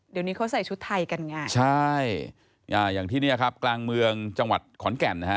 เดี๋ยวนี้เขาใส่ชุดไทยกันไงใช่อ่าอย่างที่เนี่ยครับกลางเมืองจังหวัดขอนแก่นนะฮะ